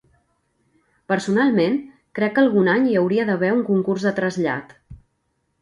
Personalment crec que algun any hi hauria d'haver un concurs de trasllat.